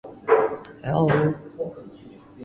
hello